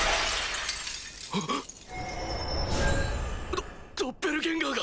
ドドッペルゲンガーが！